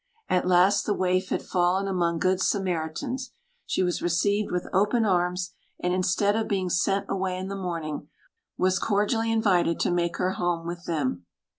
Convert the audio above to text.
At last the waif had fallen among good Samaritans. She was received with open arms; and instead of being sent away in the morning, was cordially invited to make her home with them.